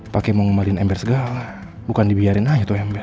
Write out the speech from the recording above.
pakai mau ngembalin ember segala bukan dibiarin aja tuh ember